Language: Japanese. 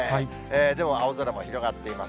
でも青空も広がっています。